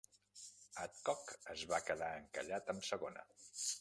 Adcock es va quedar encallat amb segona.